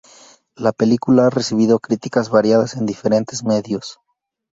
La película ha recibido críticas variadas en diferentes medios.